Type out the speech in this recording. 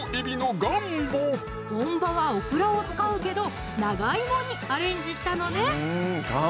本場はオクラを使うけど長芋にアレンジしたのね